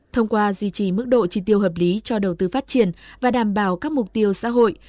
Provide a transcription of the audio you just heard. thông qua duy trì mức độ tri tiêu hợp lý cho đầu tư phát triển và đảm bảo các mục tiêu xã hội